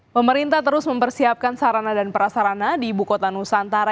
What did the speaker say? pemerintah terus mempersiapkan sarana dan prasarana di ibu kota nusantara